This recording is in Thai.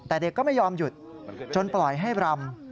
แต่เด็กก็ไม่ยอมหยุดจนปล่อยให้รำ